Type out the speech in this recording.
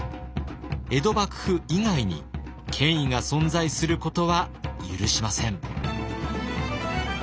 江戸幕府以外に権威が存在することは許しません。